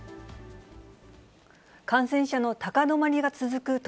感染者の高止まりが続く